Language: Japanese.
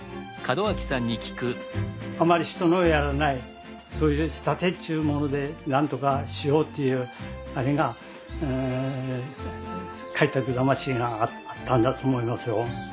あまり人のやらないそういう仕立てっちゅうもので何とかしようというあれが開拓魂があったんだと思いますよ。